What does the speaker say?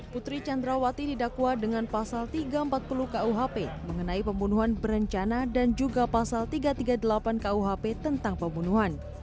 putri candrawati didakwa dengan pasal tiga ratus empat puluh kuhp mengenai pembunuhan berencana dan juga pasal tiga ratus tiga puluh delapan kuhp tentang pembunuhan